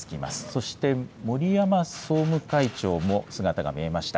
そして森山総務会長も姿が見えました。